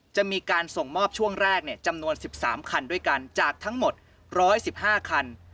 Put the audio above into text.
จะมีการส่งมอบช่วงแรกจำนวน๑๓คันด้วยกันจากทั้งหมด๑๑๕คัน